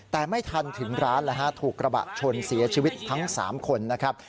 แต่ไม่ทันถึงร้านแล้วฮะถูกกระบะชนเสียชีวิตทั้ง๓คนนะครับ